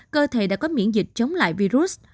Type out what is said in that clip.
cơ thể đã có miễn dịch chống lại virus